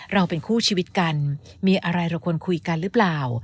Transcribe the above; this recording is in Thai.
เราเป็นคู่ชีวิตกันมีอะไรเราควรคุยกันหรือเปล่า